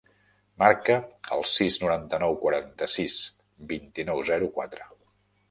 Marca el sis, noranta-nou, quaranta-sis, vint-i-nou, zero, quatre.